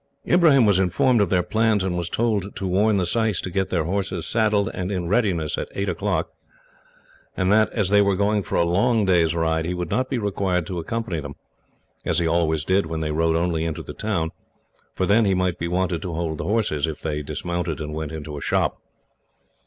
Ibrahim was informed of their plans, and was told to warn the syce to get their horses saddled and in readiness at eight o'clock, and that, as they were going for a long day's ride, he would not be required to accompany them as he always did when they rode only into the town, for then he might be wanted to hold the horses, if they dismounted and went into a shop.